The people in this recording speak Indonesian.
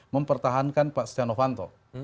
mempertahankan pak stenovanto